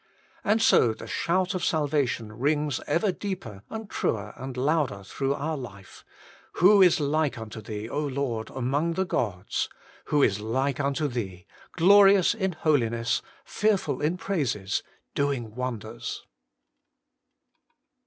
And so the shout of Salvation rings ever deeper and truer and louder through our life, ' Who is like unto Thee, Lord, among the gods ? Who is like unto Thee, glorious in holiness, fearful in praises, doing wonders